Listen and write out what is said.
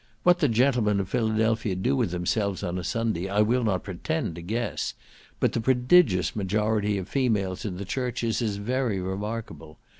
What the gentlemen of Philadelphia do with themselves on a Sunday, I will not pretend to guess, but the prodigious majority of females in the churches is very remarkable.